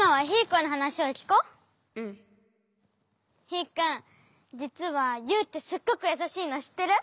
ヒーくんじつはユウってすっごくやさしいのしってる？